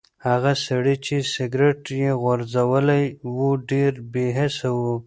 هغه سړی چې سګرټ یې غورځولی و ډېر بې حسه و.